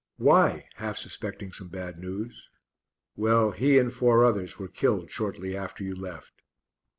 "Why?" half suspecting some bad news. "Well, he and four others were killed shortly after you left."